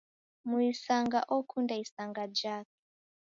Muisanga okunda isanga jake.